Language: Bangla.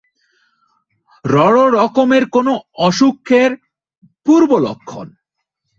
রড় রকমের কোনো অসুখের পূর্বলক্ষণ।